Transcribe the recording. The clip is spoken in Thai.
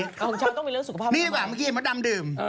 นี่หน่อยมักกี้กี่มันดำดื่ม